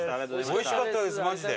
おいしかったですマジで。